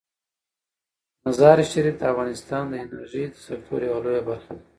مزارشریف د افغانستان د انرژۍ د سکتور یوه لویه برخه ده.